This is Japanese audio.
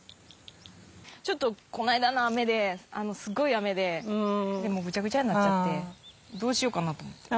ちょっとこの間の雨ですっごい雨でぐちゃぐちゃになっちゃってどうしようかなと思って。